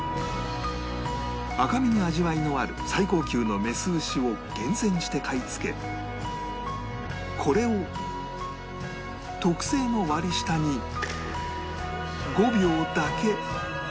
赤身に味わいのある最高級のメス牛を厳選して買い付けこれを特製の割り下に５秒だけ